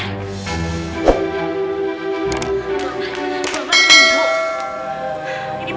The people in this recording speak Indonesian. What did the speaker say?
bu amber ibu